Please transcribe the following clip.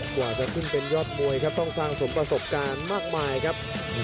กว่าจะขึ้นเป็นยอดมวยครับต้องสร้างสมประสบการณ์มากมายครับ